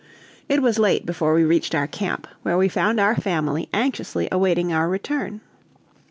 It was late before we reached our camp, where we found our family anxiously awaiting our return.